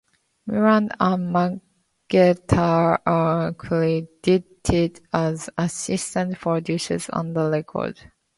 Miller and Margera are credited as assistant producers on the record.